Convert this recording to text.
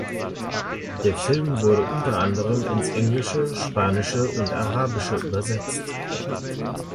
Der Film wurde unter anderem ins Englische, Spanische und Arabische übersetzt.